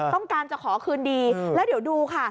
ต้องการจะขอคืนดีแล้วเดี๋ยวดูค่ะ